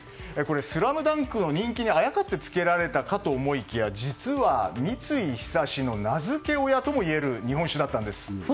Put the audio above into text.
「ＳＬＡＭＤＵＮＫ」の人気にあやかってつけられたかと思いきや実は三井寿の名付け親ともいえる日本酒だったんです。